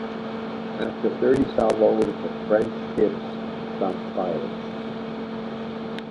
After thirty salvoes, the French ships stopped firing.